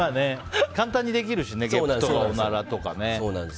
簡単にできるしねげっぷとかおならとかね。